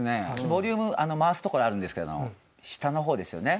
ボリューム回すところあるんですけれども下の方ですよね。